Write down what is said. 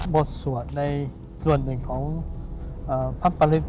บทสวดในส่วนหนึ่งของพันธ์ประลิป